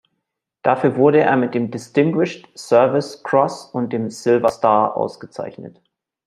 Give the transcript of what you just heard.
Dafür wurde er mit dem Distinguished Service Cross und dem Silver Star ausgezeichnet.